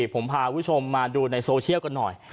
ผมพาคุณผู้ชมมาดูในโซเชียลกันหน่อย